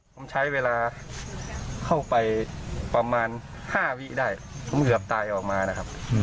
ผมใช้เวลาเข้าไปประมาณ๕วิได้ผมเกือบตายออกมานะครับ